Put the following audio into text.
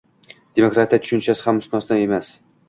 Demokratiya tushunchasi ham mustasno emas